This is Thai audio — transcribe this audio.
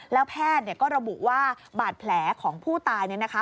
แล้วแพทย์ก็ระบุว่าบาดแผลของผู้ตายเนี่ยนะคะ